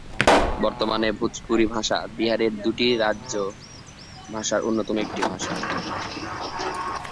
বর্তমানে ভোজপুরি ভাষা বিহারের দুটি রাজ্য ভাষার অন্যতম একটি।